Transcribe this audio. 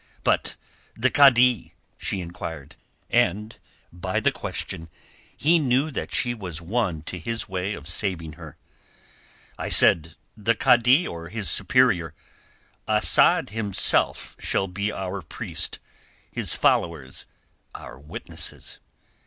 "But the kadi?" she inquired, and by the question he knew that she was won to his way of saving her. "I said the kadi or his superior. Asad himself shall be our priest, his followers our witnesses."